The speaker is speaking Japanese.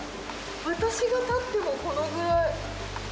私が立っても、このぐらい。